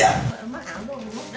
đây đây đây